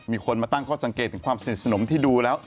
มีคนมาตั้งข้อสังเกตถึงความสนิทสนมที่ดูแล้ว